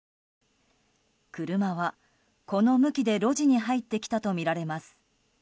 車は、この向きで路地に入ってきたとみられます。